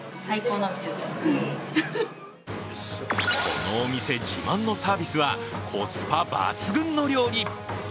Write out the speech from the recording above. このお店自慢のサービスはコスパ抜群の料理。